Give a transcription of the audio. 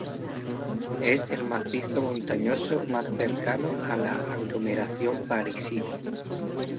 Es el macizo montañoso más cercano a la aglomeración parisina.